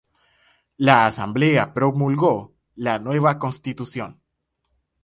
La Asamblea promulgó la nueva constitución.